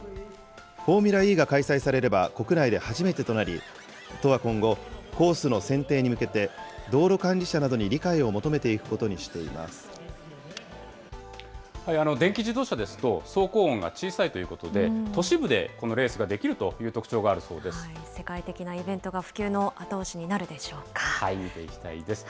フォーミュラＥが開催されれば、国内で初めてとなり、都は今後、コースの選定に向けて、道路管理者などに理解を求めていくことに電気自動車ですと、走行音が小さいということで、都市部でこのレースができるという特徴があ世界的なイベントが、普及の見ていきたいです。